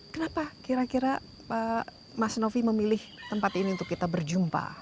kenapa kira kira mas novi memilih tempat ini untuk kita berjumpa